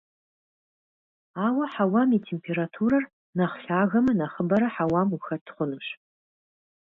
Ауэ хьэуам и температурэр нэхъ лъагэмэ, нэхъыбэрэ хьэуам ухэт хъунущ.